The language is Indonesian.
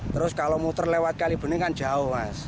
terus kalau muter lewat kalibun ini kan jauh mas